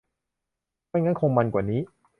ไม่งั้นคงมันกว่านี้